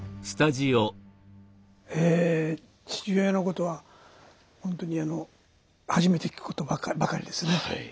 え父親のことは本当に初めて聞くことばかりですね。